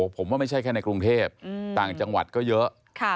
ผมว่าไม่ใช่แค่ในกรุงเทพต่างจังหวัดก็เยอะ